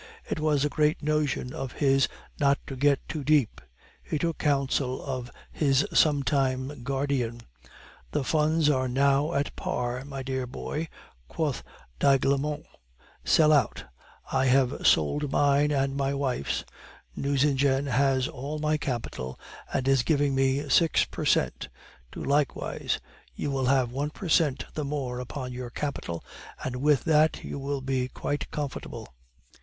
It was a great notion of his 'not to get too deep.' He took counsel of his sometime guardian. 'The funds are now at par, my dear boy,' quoth d'Aiglemont; 'sell out. I have sold mine and my wife's. Nucingen has all my capital, and is giving me six per cent; do likewise, you will have one per cent the more upon your capital, and with that you will be quite comfortable.